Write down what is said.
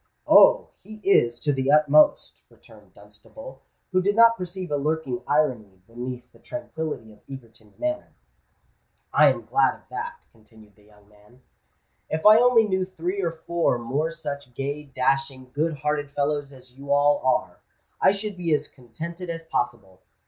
"Oh! he is—to the utmost," returned Dunstable, who did not perceive a lurking irony beneath the tranquillity of Egerton's manner. "I am glad of that," continued the young man. "If I only knew three or four more such gay, dashing, good hearted fellows as you all are, I should be as contented as possible.